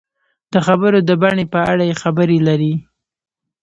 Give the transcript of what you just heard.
د خبرو د بڼې په اړه یې خبرې لري.